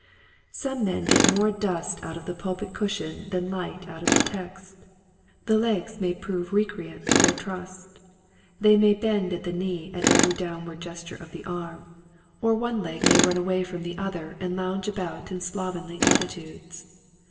Some men get more dust out of the pulpit cushion than light out of the text. The legs may prove recreant to their trust. They may bend at the knee at every downward gesture of the arm, or Mannerisms. 169 one leg may run away from the other and lounge about in slovenly attitudes.